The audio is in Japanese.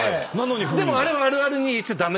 でもあれあるあるにしちゃ駄目。